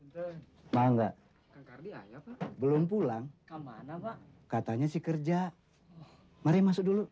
sampai jumpa di video selanjutnya